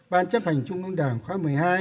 ban chấp hành trung ương đảng khóa một mươi hai